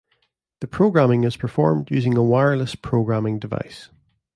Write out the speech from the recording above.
The programming is performed using a wireless programming device.